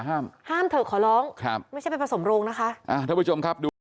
ห้ามเถอะขอร้องไม่ใช่เป็นผสมโรงนะคะ